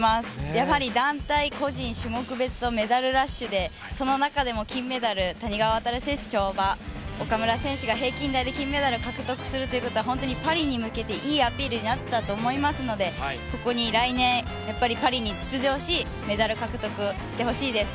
やはり、団体、個人種目別とメダルラッシュでその中でも金メダル谷川航選手、跳馬岡村選手が平均台で金メダルを獲得するということは本当にパリに向けていいアピールになったと思いますのでここに来年、パリに出場しメダル獲得してほしいです。